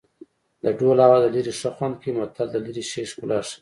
د ډول آواز له لرې ښه خوند کوي متل د لرې شي ښکلا ښيي